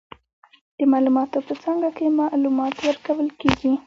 د معلوماتو په څانګه کې، معلومات ورکول کیږي.